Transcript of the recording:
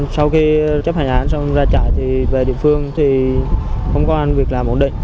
sau khi chấp hành án xong ra chạy thì về địa phương thì không có việc làm ổn định